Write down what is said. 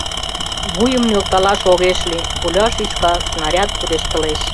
Вуйым нӧлталаш огеш лий — пуля шӱшка, снаряд пудештылеш.